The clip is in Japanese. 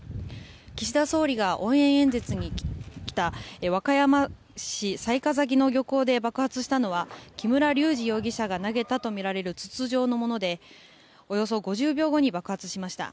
岸田総理が応援演説に来た和歌山市雑賀崎の漁港で爆発したのは、木村隆二容疑者が投げたとみられる筒状のものでおよそ５０秒後に爆発しました。